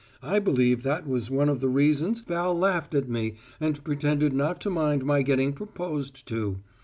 I believe that was one of the reasons Val laughed at me and pretended not to mind my getting proposed to.